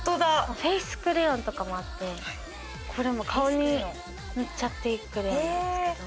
フェイスクレヨンとかもあって顔に塗っちゃっていくんですけど。